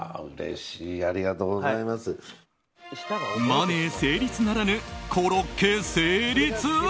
マネー成立ならぬコロッケ成立。